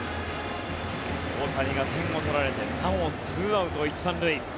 大谷が点を取られてなおも２アウト１・３塁。